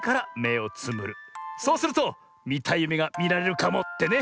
そうするとみたいゆめがみられるかもってね。